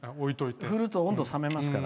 振ると温度が冷めますから。